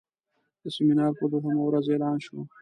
د سیمینار په دوهمه ورځ اعلان شو.